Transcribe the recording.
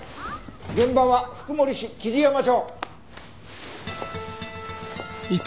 現場は福森市雉山町。